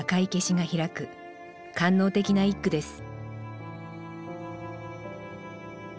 官能的な一句です